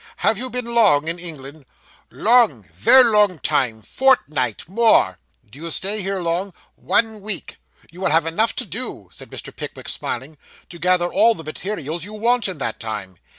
'Have you been long in England?' 'Long ver long time fortnight more.' 'Do you stay here long?' 'One week.' 'You will have enough to do,' said Mr. Pickwick smiling, 'to gather all the materials you want in that time.